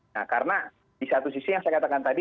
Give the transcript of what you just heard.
nah karena di satu sisi yang saya katakan tadi